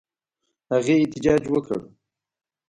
هغې احتجاج وکړ.